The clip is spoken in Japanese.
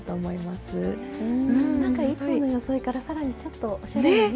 なんかいつもの装いから更にちょっとおしゃれにね。